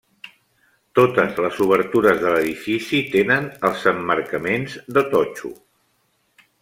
Totes les obertures de l'edifici tenen els emmarcaments de totxo.